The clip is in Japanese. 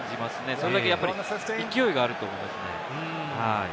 それだけ勢いがあると思うんです。